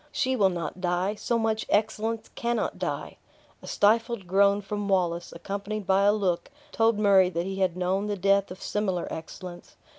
"She will not die so much excellence cannot die." A stifled groan from Wallace, accompanied by a look, told Murray that he had known the death of similar excellence.